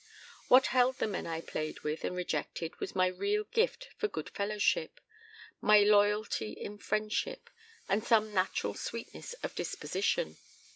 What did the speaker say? "What held the men I played with and rejected was my real gift for good fellowship, my loyalty in friendship, and some natural sweetness of disposition.